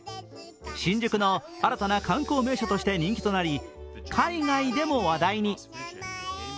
新宿の新たな観光名所として人気となり、海外でも話題に。